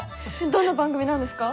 どんな番組なんですか？